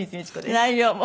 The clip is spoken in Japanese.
内容も。